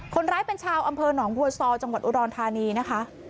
คนร้ายเป็นชาวอำเภอหนองบัวซอจังหวัดอุดรธานีนะคะ